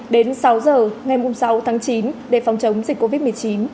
đến sáu giờ ngày sáu tháng chín để phòng chống dịch covid một mươi chín